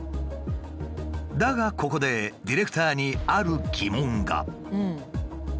だがここでディレクターにある疑問が。